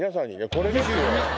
これですよ。